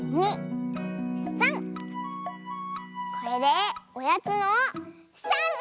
これでおやつの３じ！